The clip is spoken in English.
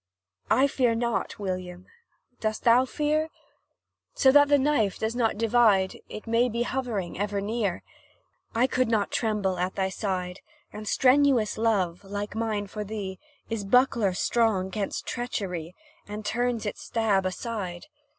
I fear not, William; dost thou fear? So that the knife does not divide, It may be ever hovering near: I could not tremble at thy side, And strenuous love like mine for thee Is buckler strong 'gainst treachery, And turns its stab aside.